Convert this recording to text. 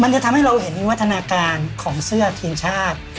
มันจะทำให้ลูกเห็นนิยววัฒนาการของเสื้อทีมชาติ